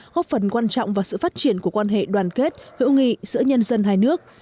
góp phần quan trọng vào sự phát triển của quan hệ đoàn kết hữu nghị giữa nhân dân hai nước